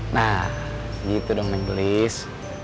nah gitu dong neng belis